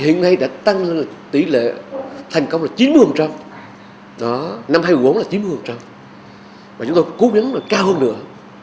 hiện nay đã tăng hơn tỷ lệ thành công là chín năm hai nghìn một mươi bốn là chín mươi và chúng tôi cố gắng là cao hơn nữa